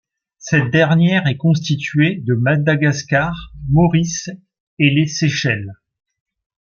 Cette dernière est constituée de Madagascar, Maurice et les Seychelles.